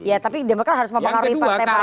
ya tapi demokrat harus mempengaruhi partai partai